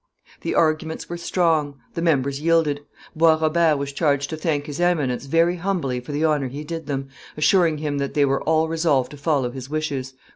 The arguments were strong, the members yielded; Bois Robert was charged to thank his Eminence very humbly for the honor he did them, assuring him that they were all resolved to follow his wishes.